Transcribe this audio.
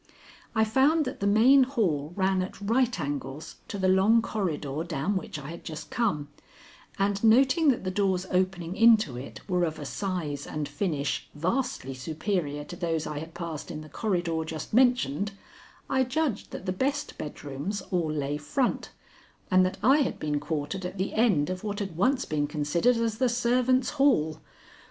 I found that the main hall ran at right angles to the long corridor down which I had just come, and noting that the doors opening into it were of a size and finish vastly superior to those I had passed in the corridor just mentioned, I judged that the best bedrooms all lay front, and that I had been quartered at the end of what had once been considered as the servants' hall.